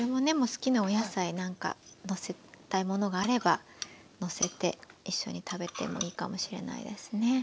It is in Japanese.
好きなお野菜なんかのせたいものがあればのせて一緒に食べてもいいかもしれないですね。